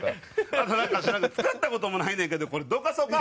あとなんか知らん使った事もないねんけどこれどかそうか？